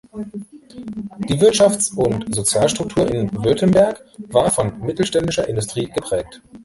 Die Wirtschafts- und Sozialstruktur in Württemberg war von mittelständischer Industrie geprägt.